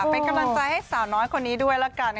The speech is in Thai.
เป็นกำลังใจให้สาวน้อยคนนี้ด้วยละกัน